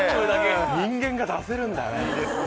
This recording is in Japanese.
人間が出せるんだね。